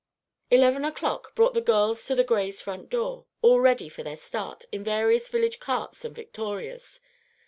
Eleven o'clock brought the girls to the Grays' front door, all ready for their start, in various village carts and victorias.